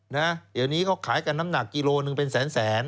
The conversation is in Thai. เดี๋ยวนี้เขาขายกันน้ำหนักกิโลหนึ่งเป็นแสนแสน